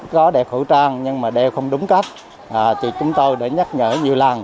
có đeo khẩu trang nhưng mà đeo không đúng cách thì chúng tôi đã nhắc nhở nhiều làng